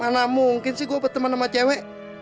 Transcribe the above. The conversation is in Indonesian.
ga mungkin sih gua berteman sama cewe